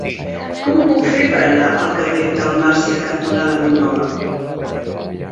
Com ho puc fer per anar al carrer Dalmàcia cantonada Bunyola?